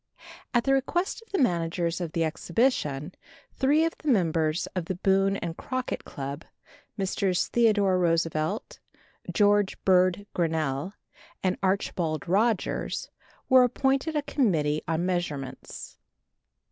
At the request of the managers of the Exhibition, three of the members of the Boone and Crockett Club Messrs. Theodore Roosevelt, George Bird Grinnell and Archibald Rogers were appointed a Committee on Measurements.